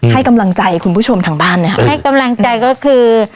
ให้กำลังใจคุณผู้ชมทางบ้านนะครับให้กำลังใจก็คือ